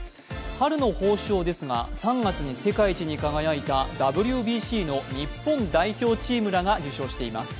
春の褒章ですが３月に世界一に輝いたＷＢＣの日本代表チームらが受章しています。